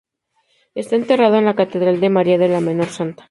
Está enterrado en la Catedral de María la Menor Santa.